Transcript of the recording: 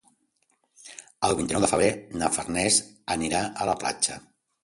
El vint-i-nou de febrer na Farners anirà a la platja.